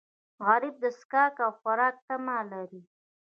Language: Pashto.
غریب د څښاک او خوراک تمه لري